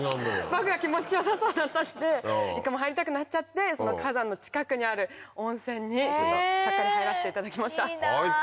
バクが気持ち良さそうだったんでいかも入りたくなっちゃって火山の近くにある温泉にちょっとちゃっかり入らしていただきました。